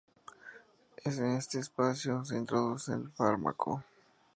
En este espacio se introduce el fármaco.